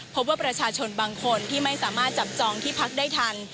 พบว่าประชาชนบางคนที่ไม่สามารถจับจองที่พักได้ทัน